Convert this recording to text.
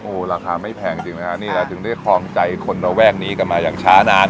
โอ้โหราคาไม่แพงจริงไหมฮะนี่แหละถึงได้คลองใจคนระแวกนี้กันมาอย่างช้านาน